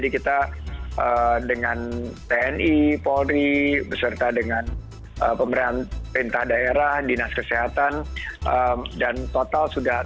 kita dengan tni polri beserta dengan pemerintah daerah dinas kesehatan dan total sudah